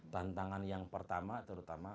tantangan yang pertama terutama